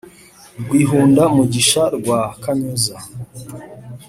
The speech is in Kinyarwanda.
rwihunda-mugisha rwa kanyuza